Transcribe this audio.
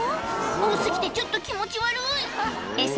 多過ぎてちょっと気持ち悪いエサ